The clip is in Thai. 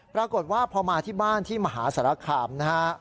ปรากฏว่าพอมาที่บ้านที่มหาสารคามนะฮะ